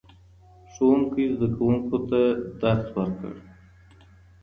ښوونکی زده کوونکو ته درس ورکړ